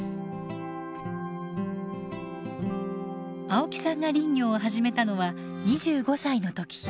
青木さんが林業を始めたのは２５歳の時。